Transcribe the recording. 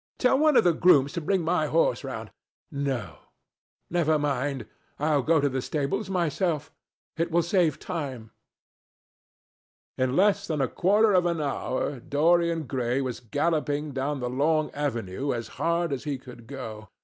Tell one of the grooms to bring my horse round. No. Never mind. I'll go to the stables myself. It will save time." In less than a quarter of an hour, Dorian Gray was galloping down the long avenue as hard as he could go.